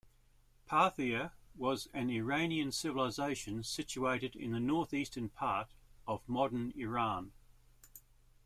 Parthia was an Iranian civilization situated in the northeastern part of modern Iran.